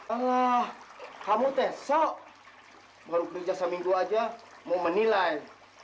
alah kamu tesok baru kerja seminggu saja mau menilai